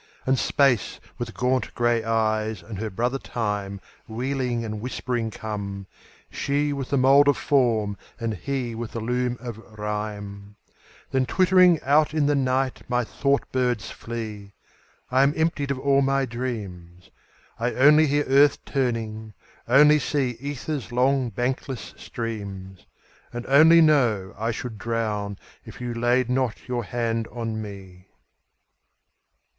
And Space with gaunt grey eyes and her brother Time Wheeling and whispering come. She with the mould of form and he with the loom of rhyme : Then twittering out in the night my thought birds flee, I am emptied of all my dreams : I only hear Earth turning, only see Ether's long bankless streams. And only know I should drown if you laid not your hand on me.